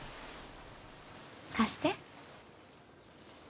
貸して。